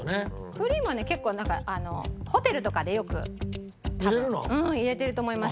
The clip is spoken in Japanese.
クリームはね結構なんかホテルとかでよく多分入れてると思います。